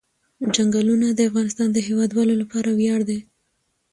چنګلونه د افغانستان د هیوادوالو لپاره ویاړ دی.